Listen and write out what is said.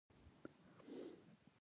درناوی د انساني اړیکو ښکلا ده.